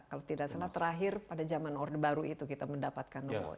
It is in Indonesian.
kalau tidak salah terakhir pada zaman orde baru itu kita mendapatkan nomor